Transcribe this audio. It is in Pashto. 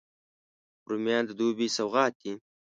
رومیان د دوبي سوغات دي